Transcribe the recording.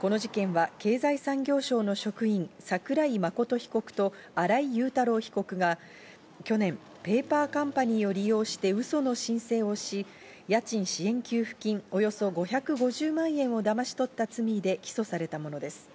この事件は経済産業省の職員・桜井真被告と新井雄太郎被告が去年ペーパーカンパニーを利用して、うその申請をし、家賃支援給付金、およそ５５０万円をだまし取った罪で起訴されたものです。